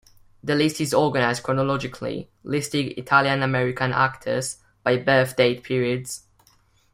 The list is organized chronologically, listing Italian American actors by birth date periods.